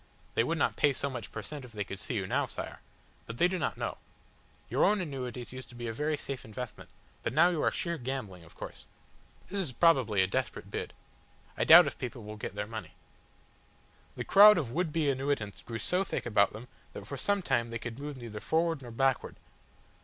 They would not pay so much per cent, if they could see you now, Sire. But they do not know. Your own annuities used to be a very safe investment, but now you are sheer gambling, of course. This is probably a desperate bid. I doubt if people will get their money." The crowd of would be annuitants grew so thick about them that for some time they could move neither forward nor backward.